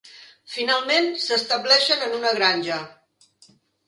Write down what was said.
Finalment s'estableixen en una granja.